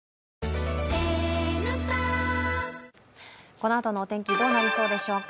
このあとのお天気どうなりそうでしょうか。